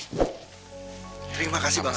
terima kasih banget